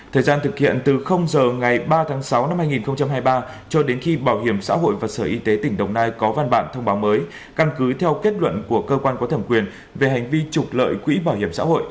thời gian thực hiện từ giờ ngày ba tháng sáu năm hai nghìn hai mươi ba cho đến khi bảo hiểm xã hội và sở y tế tỉnh đồng nai có văn bản thông báo mới căn cứ theo kết luận của cơ quan có thẩm quyền về hành vi trục lợi quỹ bảo hiểm xã hội